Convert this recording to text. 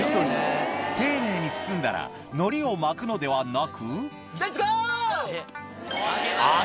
丁寧に包んだらのりを巻くのではなくレッツゴー！